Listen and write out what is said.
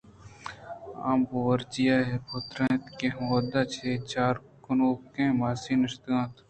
آ بورچیءَ پُترت اَنت کہ ہمودا سے چار کارکنوکیں ماسی نشتگ اِت اَنت